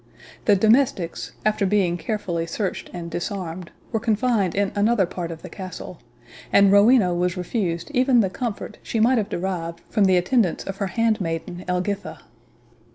The domestics, after being carefully searched and disarmed, were confined in another part of the castle; and Rowena was refused even the comfort she might have derived from the attendance of her handmaiden Elgitha.